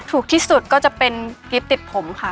ถูกที่สุดก็จะเป็นกริปติดผมค่ะ